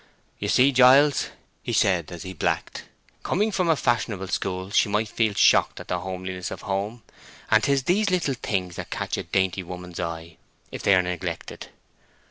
"You see, Giles," he said, as he blacked, "coming from a fashionable school, she might feel shocked at the homeliness of home; and 'tis these little things that catch a dainty woman's eye if they are neglected.